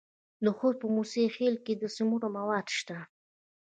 د خوست په موسی خیل کې د سمنټو مواد شته.